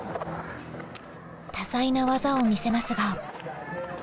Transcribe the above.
多彩な技を見せますが。